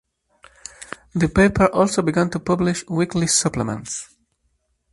The paper also began to publish weekly supplements.